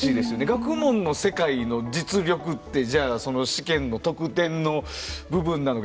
学問の世界の実力ってじゃあその試験の得点の部分なのか。